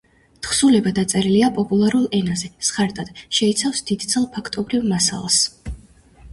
თხზულება დაწერილია პოპულარულ ენაზე, სხარტად, შეიცავს დიდძალ ფაქტობრივ მასალას.